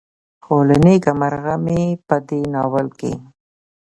خو له نيکه مرغه مې په دې ناول کې